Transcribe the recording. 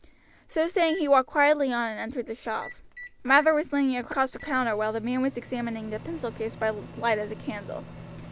So saying he walked quickly on and entered the shop. Mather was leaning across the counter while the man was examining the pencil case by the light of the candle.